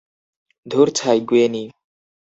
ধুর ছাই, গুয়েনি।